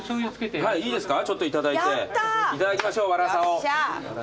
いただきましょうワラサを。